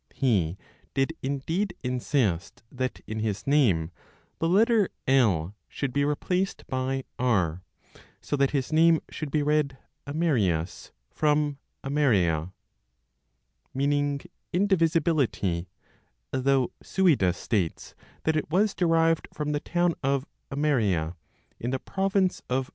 He did indeed insist that in his name the letter "l" should be replaced by "r," so that his name should read "Amerius," from "ameria" (meaning indivisibility, though Suidas states that it was derived from the town of Ameria, in the province of Umbria), and not Amelius, from "amellia" (negligence).